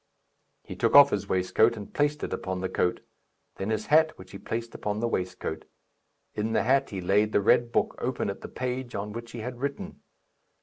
He took off his waistcoat and placed it upon the coat; then his hat, which he placed upon the waistcoat. In the hat he laid the red book open at the page on which he had written.